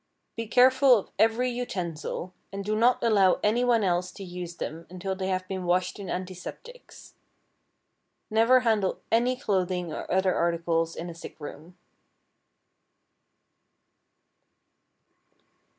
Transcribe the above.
Be careful of every utensil, and do not allow any one else to use them until they have been washed in antiseptics. Never handle any clothing or other articles in a sick room.